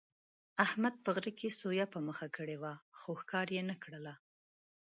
احمد په غره کې سویه په مخه کړې وه، خو ښکار یې نه کړله.